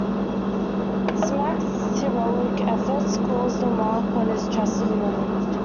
Smax's heroic efforts cause the mark on his chest to be removed.